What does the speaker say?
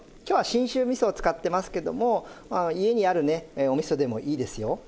今日は信州味噌を使ってますけども家にあるねお味噌でもいいですよ。